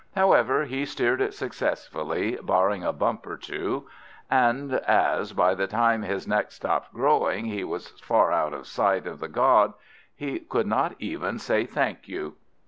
However, he steered it successfully, barring a bump or two; and as by the time his neck stopped growing he was far out of sight of the god, he could not even say thank you.